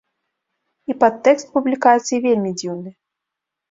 І падтэкст публікацыі вельмі дзіўны.